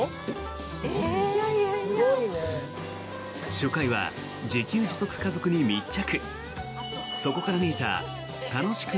初回は自給自足家族に密着。